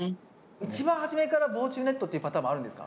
一番初めから防虫ネットっていうパターンもあるんですか？